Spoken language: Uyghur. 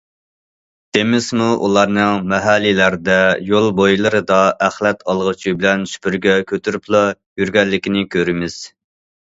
دېمىسىمۇ، ئۇلارنىڭ مەھەللىلەردە، يول بويلىرىدا ئەخلەت ئالغۇچ بىلەن سۈپۈرگە كۆتۈرۈپلا يۈرگەنلىكىنى كۆرىمىز.